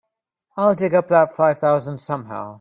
I'll dig up that five thousand somehow.